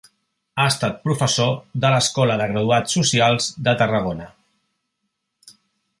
Ha estat professor de l'Escola de Graduats Socials de Tarragona.